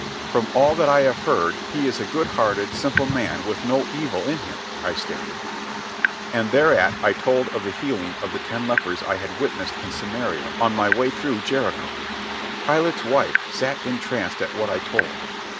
"From all that I have heard, he is a good hearted, simple man with no evil in him," I stated. And thereat I told of the healing of the ten lepers I had witnessed in Samaria on my way through Jericho. Pilate's wife sat entranced at what I told.